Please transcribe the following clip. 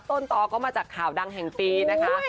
ต้นต่อก็มาจากข่าวดังแห่งปีนะคะ